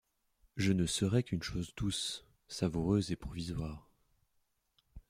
Je ne serai qu'une chose douce, savoureuse et provisoire.